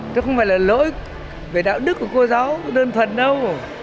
chứ không phải là lỗi về đạo đức của cô giáo đơn thuần đâu